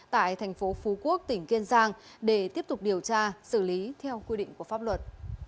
tại thành phố phú quốc tỉnh kiên giang để tiếp tục điều tra xử lý theo quy định của pháp luật